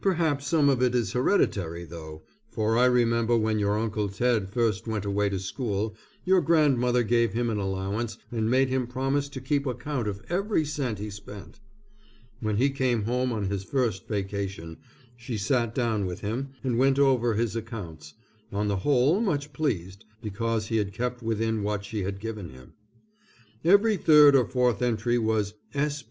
Perhaps some of it is hereditary, though, for I remember when your Uncle Ted first went away to school, your grandmother gave him an allowance and made him promise to keep account of every cent he spent. When he came home on his first vacation, she sat down with him and went over his accounts, on the whole much pleased, because he had kept within what she had given him. Every third or fourth entry was S.